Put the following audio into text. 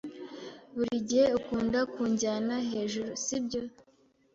Buri gihe ukunda kunjyana hejuru, sibyo?